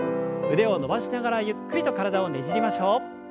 腕を伸ばしながらゆっくりと体をねじりましょう。